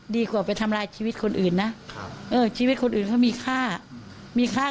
ดีกว่าไปทำลายชีวิตคนอื่นนะครับเออชีวิตคนอื่นเขามีค่ามีค่า